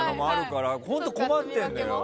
本当、困ってるんだよ。